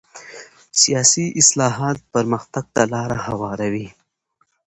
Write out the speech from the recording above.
سیاسي اصلاحات پرمختګ ته لاره هواروي